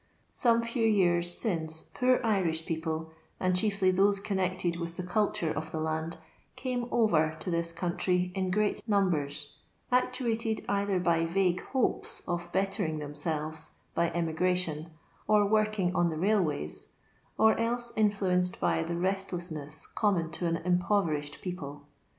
Some few years since poor Irish people, and chiefly those connected with the culture of the land, "came over to this country in great numbers, actuated either by vague hopes of "bettering themselves" by emigration, or working on the railways, or else influenced by the restlessness common to an impoverished people.